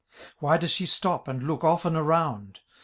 57 Why does she stop, and look often around.